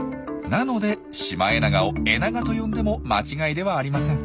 なのでシマエナガをエナガと呼んでも間違いではありません。